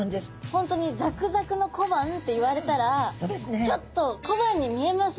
本当にザクザクの小判って言われたらちょっと小判に見えます